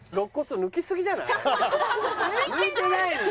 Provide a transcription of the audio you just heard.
抜いてないのよ。